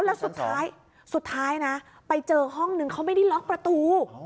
แล้วสุดท้ายสุดท้ายนะไปเจอห้องนึงเขาไม่ได้ล็อกประตู